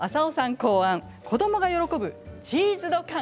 考案子どもが喜ぶチーズどかん。